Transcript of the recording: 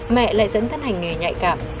mẹ lại dẫn thân hành nghề nhạy cảm